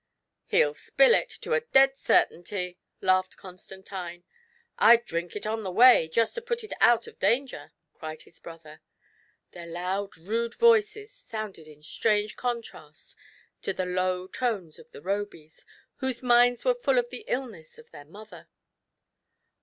"He'll spill it, to a dead certainty," laughed Con stantine. "Td drink it on the way, just to put it out of danger!" cried his brother. Their loud rude voices sounded in strange contrast to the low tones of the* Robys, whose minds were fiill of the illness of their mother.